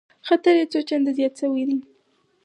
خطر یې څو چنده زیات شوی دی